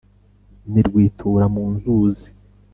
ni rwitura--mu nzuzi